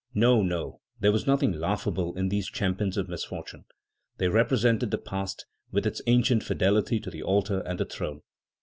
No, no; there was nothing laughable in these champions of misfortune. They represented the past, with its ancient fidelity to the altar and the throne.